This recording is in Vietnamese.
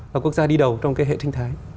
là quốc gia đi đầu trong cái hệ sinh thái